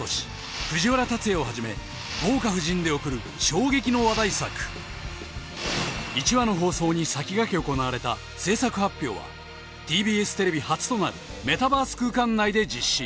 藤原竜也をはじめ豪華布陣で送る衝撃の話題作１話の放送に先駆け行われた制作発表はＴＢＳテレビ初となるメタバース空間内で実施